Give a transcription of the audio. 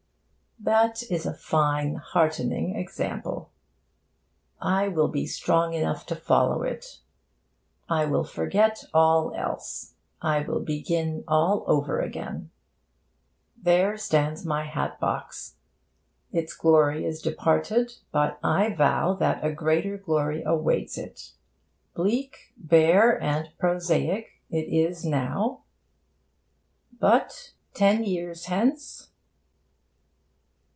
That is a fine, heartening example! I will be strong enough to follow it. I will forget all else. I will begin all over again. There stands my hat box! Its glory is departed, but I vow that a greater glory awaits it. Bleak, bare and prosaic it is now, but ten years hence!